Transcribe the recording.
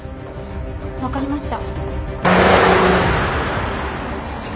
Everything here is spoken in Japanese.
わかりました。